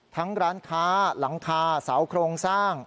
ร้านค้าหลังคาเสาโครงสร้าง